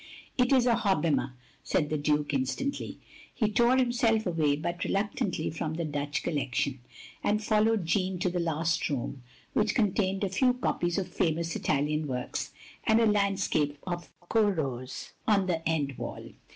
" "It is a Hobbema," said the Duke, instantly. He tore himself away, but reluctantly, from the Dutch collection; and followed Jeanne to the last room, which contained a few fine copies of famous Italian works, and a landscape of Corot's, on the end wall.